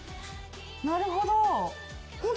なるほど。